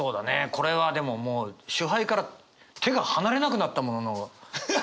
これはでももう酒盃から手が離れなくなった者の。